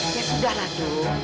ya sudah lah dok